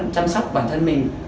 chăm sóc bản thân mình